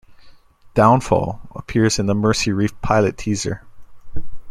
"Downfall" appears in the "Mercy Reef" pilot teaser.